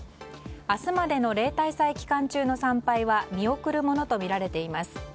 明日までの例大祭期間中の参拝は見送るものとみられています。